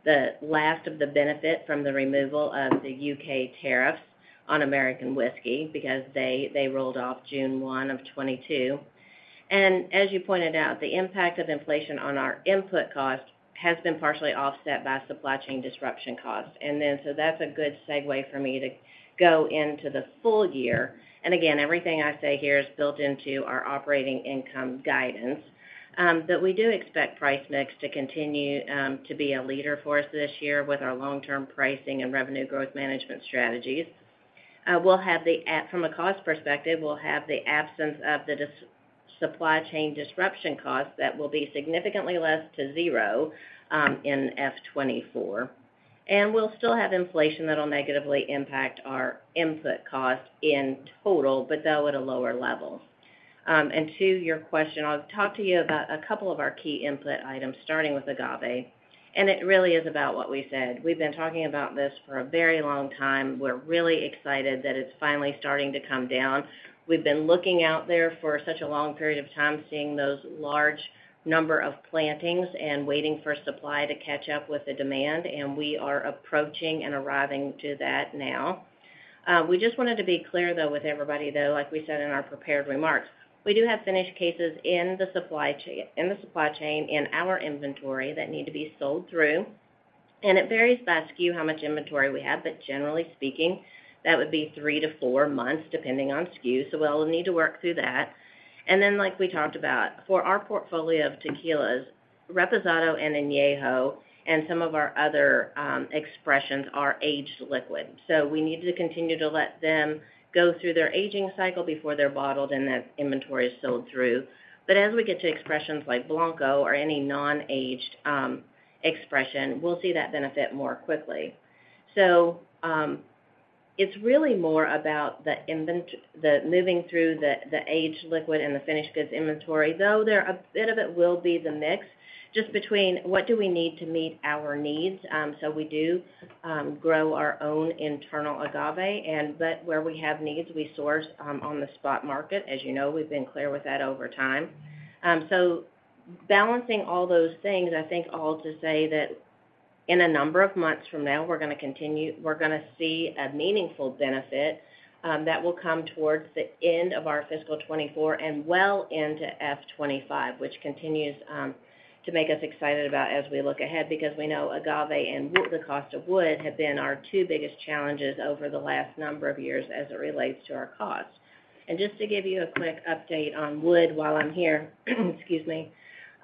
the, the last of the benefit from the removal of the U.K. tariffs on American Whiskey because they, they rolled off June 1, 2022. And as you pointed out, the impact of inflation on our input costs has been partially offset by supply chain disruption costs. So that's a good segue for me to go into the full year. Again, everything I say here is built into our operating income guidance. But we do expect price mix to continue to be a leader for us this year with our long-term pricing and revenue growth management strategies. From a cost perspective, we'll have the absence of the supply chain disruption costs that will be significantly less to zero in FY 2024. We'll still have inflation that will negatively impact our input costs in total, but though at a lower level. To your question, I'll talk to you about a couple of our key input items, starting with agave, and it really is about what we said. We've been talking about this for a very long time. We're really excited that it's finally starting to come down. We've been looking out there for such a long period of time, seeing those large number of plantings and waiting for supply to catch up with the demand, and we are approaching and arriving to that now. We just wanted to be clear, though, with everybody, though, like we said in our prepared remarks, we do have finished cases in the supply chain, in our inventory that need to be sold through. And it varies by SKU how much inventory we have, but generally speaking, that would be three to four months, depending on SKU. So we'll need to work through that. Then, like we talked about, for our portfolio of tequilas, reposado and añejo and some of our other expressions are aged liquid, so we need to continue to let them go through their aging cycle before they're bottled and that inventory is sold through. But as we get to expressions like blanco or any non-aged expression, we'll see that benefit more quickly. So, it's really more about the moving through the aged liquid and the finished goods inventory, though there a bit of it will be the mix, just between what do we need to meet our needs. So we do grow our own internal agave, and but where we have needs, we source on the spot market. As you know, we've been clear with that over time. So balancing all those things, I think all to say that in a number of months from now, we're gonna continue, we're gonna see a meaningful benefit that will come towards the end of our fiscal 2024 and well into 2025, which continues to make us excited about as we look ahead, because we know agave and wood, the cost of wood, have been our two biggest challenges over the last number of years as it relates to our costs. And just to give you a quick update on wood while I'm here, excuse me.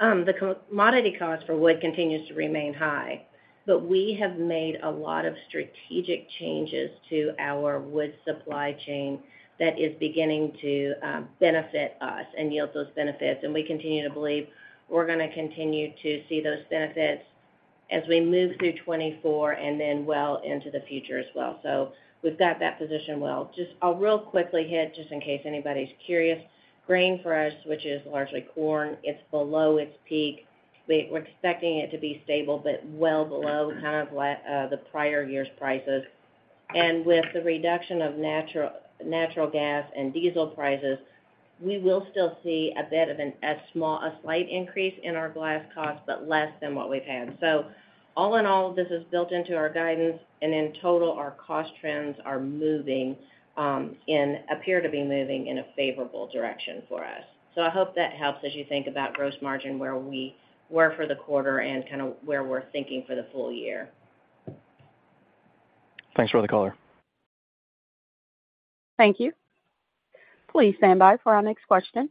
The commodity cost for wood continues to remain high, but we have made a lot of strategic changes to our wood supply chain that is beginning to benefit us and yield those benefits. And we continue to believe we're gonna continue to see those benefits as we move through 2024 and then well into the future as well. So with that, that positions us well. Just I'll real quickly hit, just in case anybody's curious, grain for us, which is largely corn, it's below its peak. We're expecting it to be stable, but well below kind of last, the prior year's prices. And with the reduction of natural gas and diesel prices, we will still see a bit of a slight increase in our glass costs, but less than what we've had. So all in all, this is built into our guidance, and in total, our cost trends appear to be moving in a favorable direction for us. I hope that helps as you think about gross margin, where we were for the quarter and kind of where we're thinking for the full year. Thanks for the color. Thank you. Please stand by for our next question.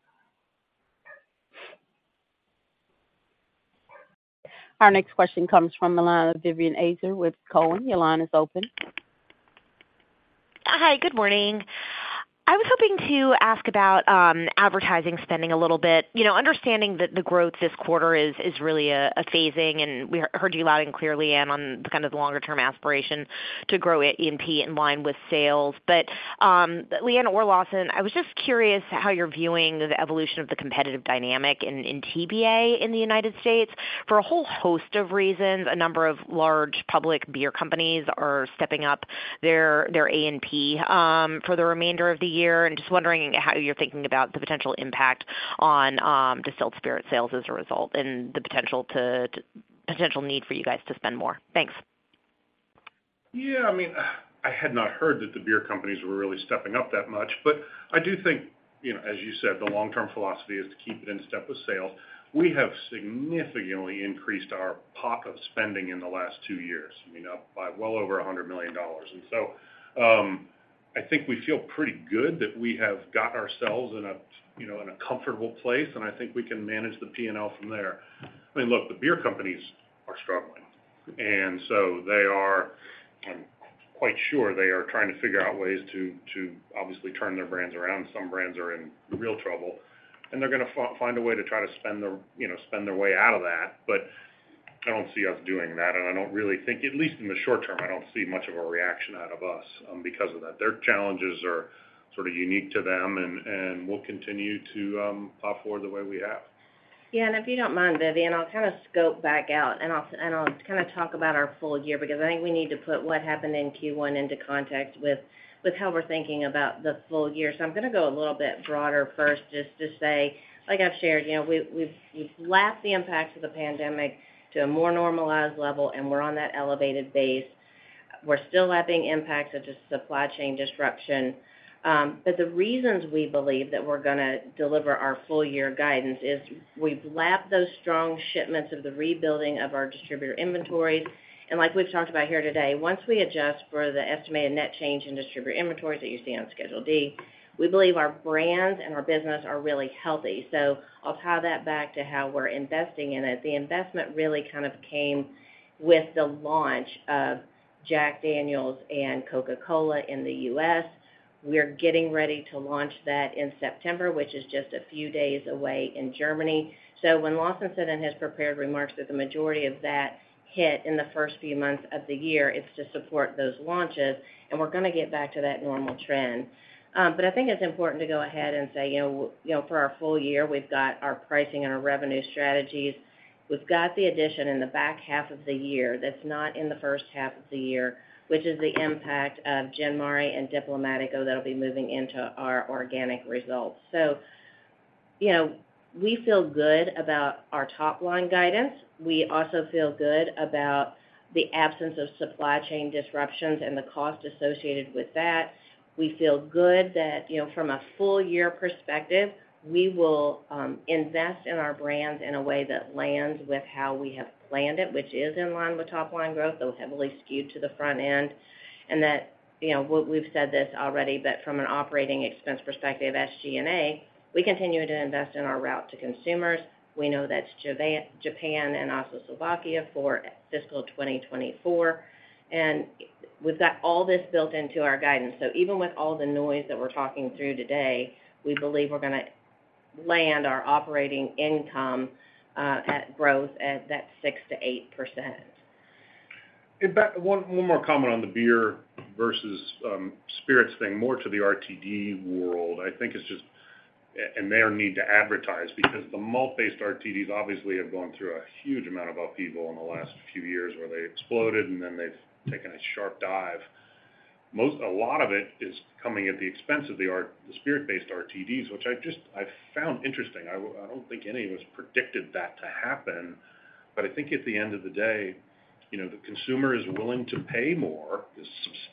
Our next question comes from the line of Vivien Azer with Cowen. Your line is open. Hi, good morning. I was hoping to ask about advertising spending a little bit. You know, understanding that the growth this quarter is really a phasing, and we heard you loud and clearly, and on kind of the longer term aspiration to grow A&P in line with sales. But, Leanne or Lawson, I was just curious how you're viewing the evolution of the competitive dynamic in TBA in the United States. For a whole host of reasons, a number of large public beer companies are stepping up their A&P for the remainder of the year, and just wondering how you're thinking about the potential impact on distilled spirit sales as a result, and the potential need for you guys to spend more. Thanks. Yeah, I mean, I had not heard that the beer companies were really stepping up that much, but I do think, you know, as you said, the long-term philosophy is to keep it in step with sales. We have significantly increased our pace of spending in the last two years, I mean, up by well over $100 million. And so, I think we feel pretty good that we have got ourselves in a, you know, in a comfortable place, and I think we can manage the P&L from there. I mean, look, the beer companies are struggling, and so they are, I'm quite sure they are trying to figure out ways to, to obviously turn their brands around. Some brands are in real trouble, and they're gonna find a way to try to spend their, you know, spend their way out of that. But I don't see us doing that, and I don't really think, at least in the short term, I don't see much of a reaction out of us, because of that. Their challenges are sort of unique to them, and we'll continue to pop forward the way we have. Yeah, and if you don't mind, Vivien, I'll kind of scope back out, and I'll kind of talk about our full year, because I think we need to put what happened in Q1 into context with how we're thinking about the full year. So I'm gonna go a little bit broader first just to say, like I've shared, you know, we've lapped the impacts of the pandemic to a more normalized level, and we're on that elevated base. We're still lapping impacts of just supply chain disruption. But the reasons we believe that we're gonna deliver our full year guidance is we've lapped those strong shipments of the rebuilding of our distributor inventories. Like we've talked about here today, once we adjust for the estimated net change in distributor inventories that you see on Schedule D, we believe our brands and our business are really healthy. So I'll tie that back to how we're investing in it. The investment really kind of came with the launch of Jack Daniel's and Coca-Cola in the US. We're getting ready to launch that in September, which is just a few days away in Germany. So when Lawson said in his prepared remarks that the majority of that hit in the first few months of the year, it's to support those launches, and we're gonna get back to that normal trend. But I think it's important to go ahead and say, you know, you know, for our full year, we've got our pricing and our revenue strategies. We've got the addition in the back half of the year that's not in the first half of the year, which is the impact of Gin Mare and Diplomático that'll be moving into our organic results. So, you know, we feel good about our top line guidance. We also feel good about the absence of supply chain disruptions and the cost associated with that. We feel good that, you know, from a full year perspective, we will invest in our brands in a way that lands with how we have planned it, which is in line with top line growth, though heavily skewed to the front end. And that, you know, we've said this already, but from an operating expense perspective, SG&A, we continue to invest in our route to consumers. We know that's Japan and also Slovakia for fiscal 2024. With that, all this built into our guidance. Even with all the noise that we're talking through today, we believe we're gonna land our operating income growth at that 6%-8%. In fact, one more comment on the beer versus spirits thing, more to the RTD world. I think it's just and their need to advertise, because the malt-based RTDs obviously have gone through a huge amount of upheaval in the last few years, where they exploded, and then they've taken a sharp dive. A lot of it is coming at the expense of the spirit-based RTDs, which I just found interesting. I don't think any of us predicted that to happen. But I think at the end of the day, you know, the consumer is willing to pay more,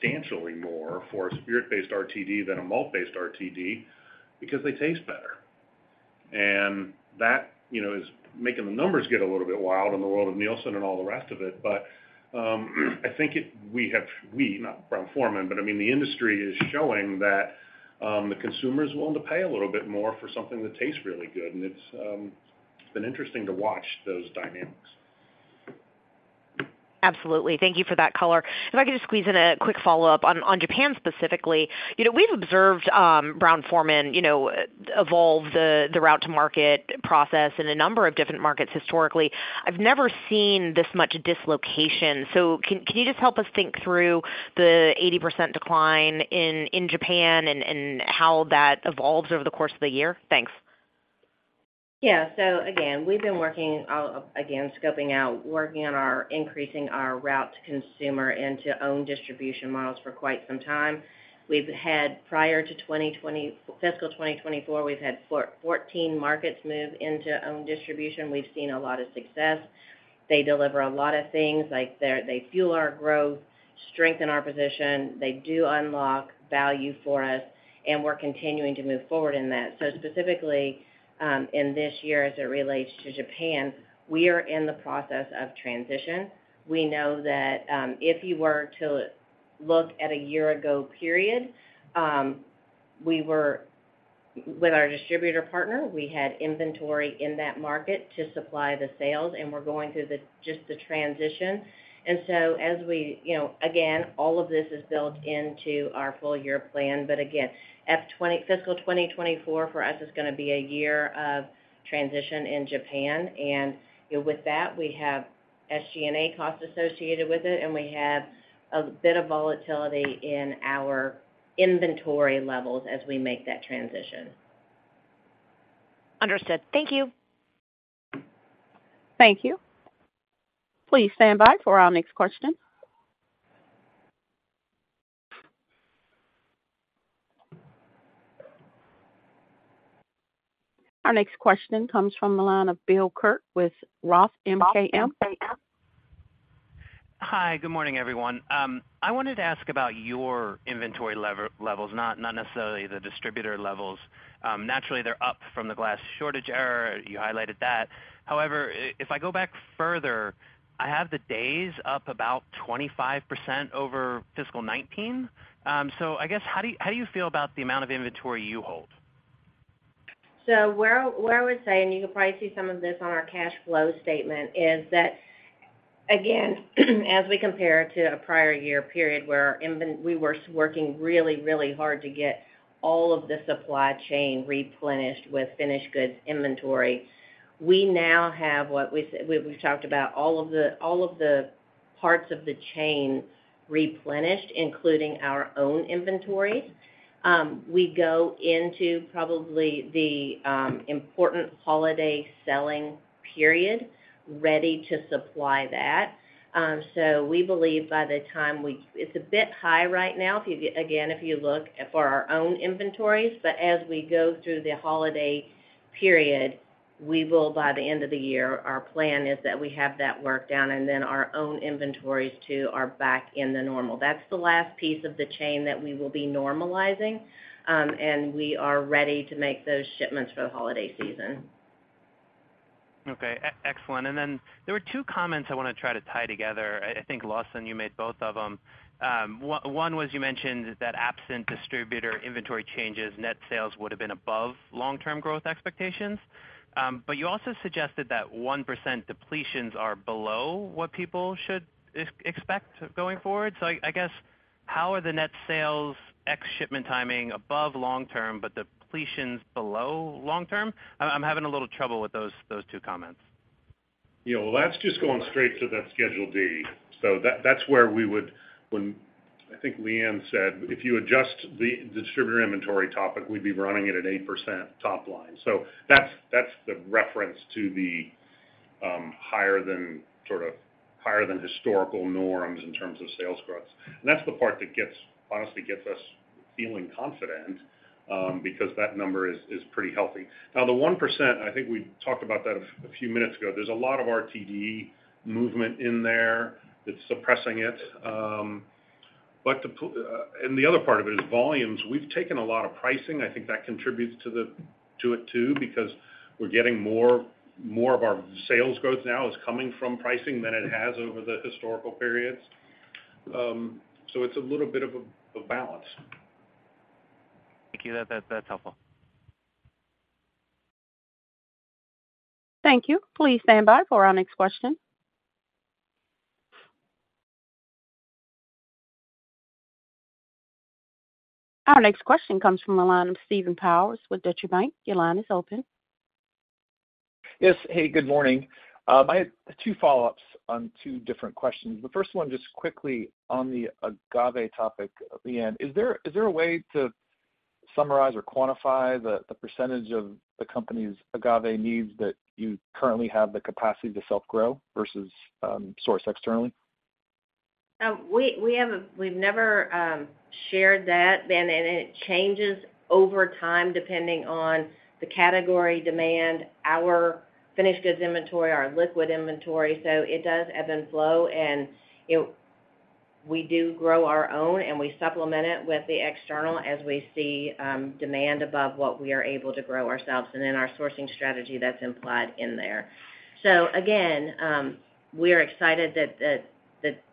substantially more, for a spirit-based RTD than a malt-based RTD because they taste better. And that, you know, is making the numbers get a little bit wild in the world of Nielsen and all the rest of it. I think we, not Brown-Forman, but I mean, the industry is showing that the consumer is willing to pay a little bit more for something that tastes really good, and it's been interesting to watch those dynamics. Absolutely. Thank you for that color. If I could just squeeze in a quick follow-up on Japan specifically. You know, we've observed, Brown-Forman, you know, evolve the route-to-market process in a number of different markets historically. I've never seen this much dislocation. So can you just help us think through the 80% decline in Japan and how that evolves over the course of the year? Thanks. Yeah. So again, we've been working again, scoping out, working on our increasing our route-to-consumer into own distribution models for quite some time. Prior to fiscal 2024, we've had 14 markets move into own distribution. We've seen a lot of success. They deliver a lot of things, like, they, they fuel our growth, strengthen our position, they do unlock value for us, and we're continuing to move forward in that. So specifically, in this year, as it relates to Japan, we are in the process of transition. We know that, if you were to look at a year ago period, we were with our distributor partner, we had inventory in that market to supply the sales, and we're going through the, just the transition. And so as we... You know, again, all of this is built into our full-year plan. But again, fiscal 2024 for us is gonna be a year of transition in Japan, and, you know, with that, we have SG&A costs associated with it, and we have a bit of volatility in our inventory levels as we make that transition. Understood. Thank you. Thank you. Please stand by for our next question. Our next question comes from the line of Bill Kirk with Roth MKM. Hi, good morning, everyone. I wanted to ask about your inventory levels, not necessarily the distributor levels. Naturally, they're up from the glass shortage era. You highlighted that. However, if I go back further, I have the days up about 25% over fiscal 2019. So I guess, how do you, how do you feel about the amount of inventory you hold? So what I would say, and you can probably see some of this on our cash flow statement, is that, again, as we compare to a prior year period where we were working really, really hard to get all of the supply chain replenished with finished goods inventory, we now have what we said. We've talked about all of the, all of the parts of the chain replenished, including our own inventories. We go into probably the important holiday selling period, ready to supply that. So, we believe by the time we. It's a bit high right now, if you again, if you look for our own inventories, but as we go through the holiday period, we will, by the end of the year, our plan is that we have that worked down, and then our own inventories, too, are back in the normal. That's the last piece of the chain that we will be normalizing, and we are ready to make those shipments for the holiday season. Okay, excellent. And then there were two comments I want to try to tie together. I think, Lawson, you made both of them. One was you mentioned that absent distributor inventory changes, net sales would have been above long-term growth expectations. But you also suggested that 1% depletions are below what people should expect going forward. So I guess, how are the net sales ex shipment timing above long-term, but depletions below long-term? I'm having a little trouble with those two comments. Yeah, well, that's just going straight to that Schedule D. So that's where we would—when I think Leanne said, "If you adjust the distributor inventory topic, we'd be running it at 8% top line." So that's the reference to the higher than sort of, higher than historical norms in terms of sales growth. And that's the part that gets, honestly, gets us feeling confident, because that number is pretty healthy. Now, the 1%, I think we talked about that a few minutes ago. There's a lot of RTD movement in there that's suppressing it. But the other part of it is volumes. We've taken a lot of pricing. I think that contributes to it, too, because we're getting more of our sales growth now is coming from pricing than it has over the historical periods. So it's a little bit of a balance. Thank you. That, that's helpful. Thank you. Please stand by for our next question. Our next question comes from the line of Stephen Powers with Deutsche Bank. Your line is open. Yes. Hey, good morning. I had two follow-ups on two different questions. The first one, just quickly on the agave topic, Leanne. Is there, is there a way to summarize or quantify the, the percentage of the company's agave needs that you currently have the capacity to self-grow versus, source externally? We haven't, we've never shared that, then, and it changes over time, depending on the category, demand, our finished goods inventory, our liquid inventory, so it does ebb and flow, and it, we do grow our own, and we supplement it with the external as we see demand above what we are able to grow ourselves, and then our sourcing strategy that's implied in there. So again, we are excited that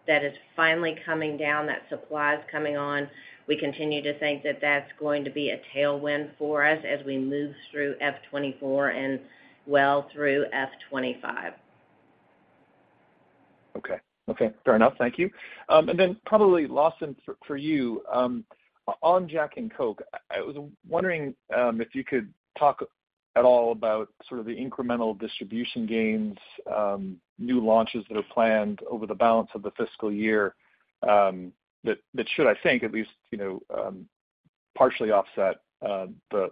that is finally coming down, that supply is coming on. We continue to think that that's going to be a tailwind for us as we move through F 2024 and well through F 2025. Okay. Okay. Fair enough. Thank you. And then probably, Lawson, for you, on Jack and Coke, I was wondering if you could talk at all about sort of the incremental distribution gains, new launches that are planned over the balance of the fiscal year, that should, I think, at least, you know, partially offset the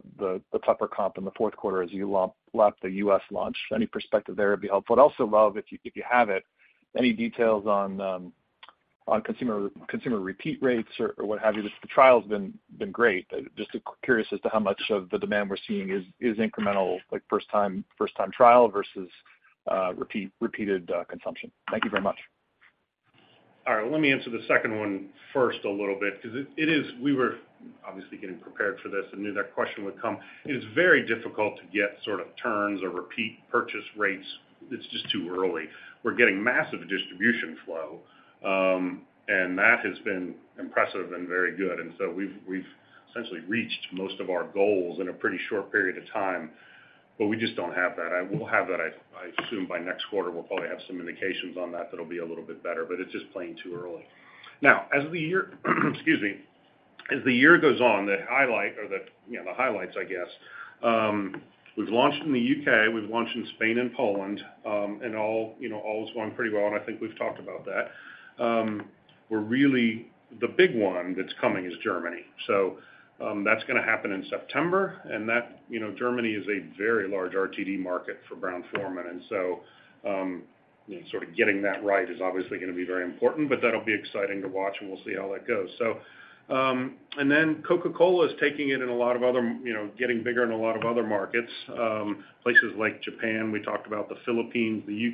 tougher comp in the fourth quarter as you launch the U.S. launch. Any perspective there would be helpful. I'd also love, if you have it, any details on consumer repeat rates or what have you. The trial's been great. Just curious as to how much of the demand we're seeing is incremental, like first-time trial versus repeated consumption. Thank you very much. All right. Let me answer the second one first a little bit, because it, it is. We were obviously getting prepared for this and knew that question would come. It is very difficult to get sort of turns or repeat purchase rates. It's just too early. We're getting massive distribution flow, and that has been impressive and very good. And so we've essentially reached most of our goals in a pretty short period of time, but we just don't have that. I will have that, I assume, by next quarter. We'll probably have some indications on that, that'll be a little bit better, but it's just playing too early. Now, as the year, excuse me. As the year goes on, the highlight or the, you know, the highlights, I guess, we've launched in the U.K., we've launched in Spain and Poland, and all, you know, all is going pretty well, and I think we've talked about that. We're really... The big one that's coming is Germany. So, that's gonna happen in September, and that, you know, Germany is a very large RTD market for Brown-Forman. And so, sort of getting that right is obviously gonna be very important, but that'll be exciting to watch, and we'll see how that goes. So, and then Coca-Cola is taking it in a lot of other, you know, getting bigger in a lot of other markets, places like Japan, we talked about the Philippines, the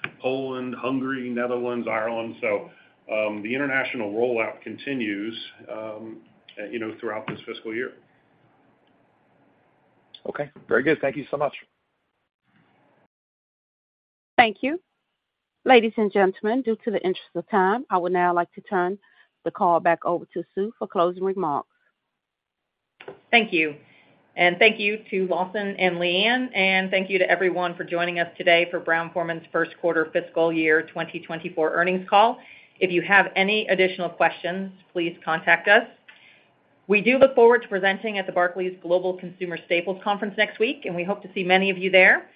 UK, Poland, Hungary, Netherlands, Ireland. The international rollout continues, you know, throughout this fiscal year. Okay, very good. Thank you so much. Thank you. Ladies and gentlemen, in the interest of time, I would now like to turn the call back over to Sue for closing remarks. Thank you. Thank you to Lawson and Leanne, and thank you to everyone for joining us today for Brown-Forman's first quarter fiscal year 2024 earnings call. If you have any additional questions, please contact us. We do look forward to presenting at the Barclays Global Consumer Staples Conference next week, and we hope to see many of you there.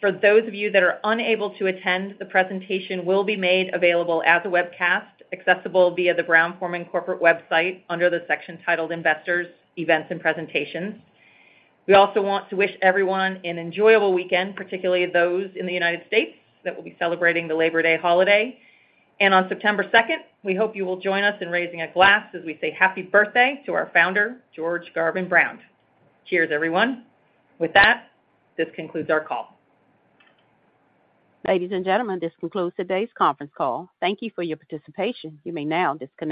For those of you that are unable to attend, the presentation will be made available as a webcast, accessible via the Brown-Forman corporate website under the section titled Investors, Events and Presentations. We also want to wish everyone an enjoyable weekend, particularly those in the United States, that will be celebrating the Labor Day holiday. On September second, we hope you will join us in raising a glass as we say happy birthday to our founder, George Garvin Brown. Cheers, everyone. With that, this concludes our call. Ladies and gentlemen, this concludes today's conference call. Thank you for your participation. You may now disconnect.